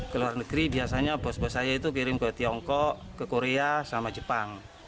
ke luar negeri biasanya bos bos saya itu kirim ke tiongkok ke korea sama jepang